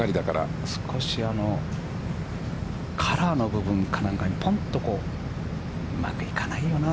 少しカラーの部分かなんかにポンとうまくいかないよな。